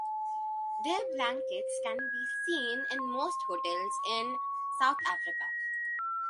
Their blankets can be seen in most hotels in South Africa.